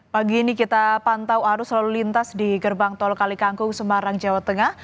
pagi ini kita pantau arus lalu lintas di gerbang tol kalikangkung semarang jawa tengah